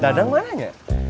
dadang mana ya